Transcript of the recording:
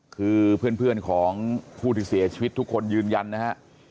คือเพื่อนของผู้ที่เสียชีวิตทุกคนยืนยันนะฮะ